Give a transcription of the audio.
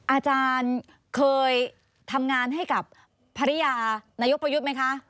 อาจารย์เคยทำงานให้กับภรรยานายกประยุทธ์ไหมคะ